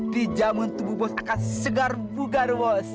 di jamun tubuh bos akan segar bugar bos